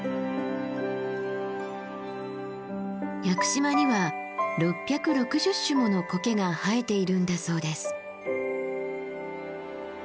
屋久島には６６０種もの苔が生えているんだそうです。